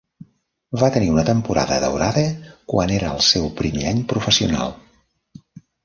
Va tenir una temporada "daurada", quan era el seu primer any professional.